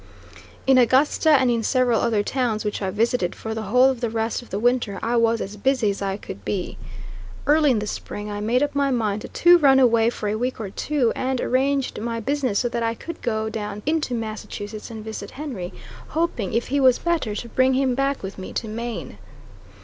In Augusta and in several other towns which I visited, for the whole of the rest of the winter, I was as busy as I could be. Early in the spring I made up my mind to run away for a week or two, and arranged my business so that I could go down into Massachusetts and visit Henry, hoping, if he was better, to bring him back with me to Maine.